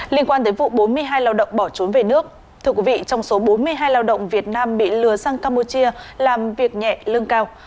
liên quan đến vụ bốn mươi hai lao động bỏ trốn về nước trong số bốn mươi hai lao động việt nam bị lừa sang campuchia làm việc nhẹ lưng cao